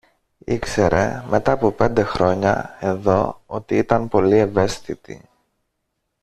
Ήξερε μετά από πέντε χρόνια εδώ ότι ήταν πολύ ευαίσθητοι